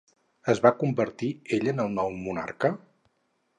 Es va convertir ell en el nou monarca?